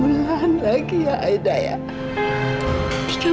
bulan lagi ya aida ya